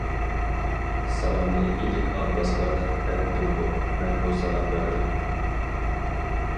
سالامنى ئىلىك ئالماسلىق ھەددىممۇ؟ مەنمۇ سالام بەردىم.